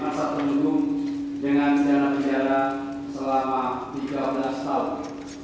asal temenggung dengan dana penjara selama tiga belas tahun